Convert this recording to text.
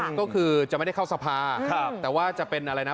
ก็คือจะไม่ได้เข้าสภาครับแต่ว่าจะเป็นอะไรนะ